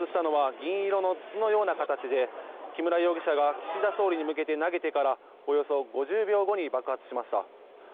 爆発したのは銀色の筒のような形で木村容疑者が岸田総理に向けて投げてからおよそ５０秒後に爆発しました。